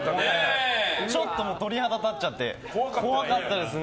ちょっと鳥肌立っちゃって怖かったですね。